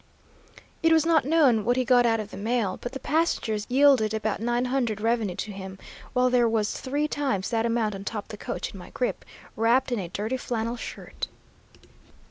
"It was not known what he got out of the mail, but the passengers yielded about nine hundred revenue to him, while there was three times that amount on top the coach in my grip, wrapped in a dirty flannel shirt.